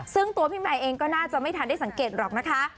ซึ่งตัวพี่ใหม่เองก็น่าจะไม่ทันได้สังเกตหรอกนะคะ